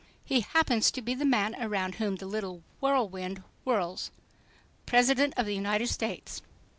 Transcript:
He happens to be the man around whom the little whirlwind whirls—the President of the United States."